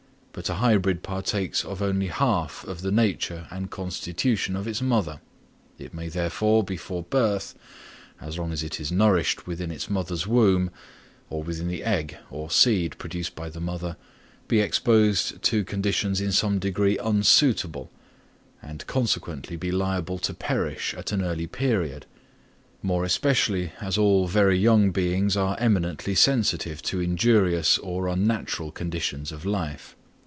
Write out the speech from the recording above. But a hybrid partakes of only half of the nature and constitution of its mother; it may therefore, before birth, as long as it is nourished within its mother's womb, or within the egg or seed produced by the mother, be exposed to conditions in some degree unsuitable, and consequently be liable to perish at an early period; more especially as all very young beings are eminently sensitive to injurious or unnatural conditions of life.